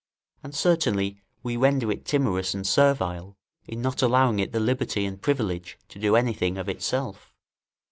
And certainly we render it timorous and servile, in not allowing it the liberty and privilege to do anything of itself.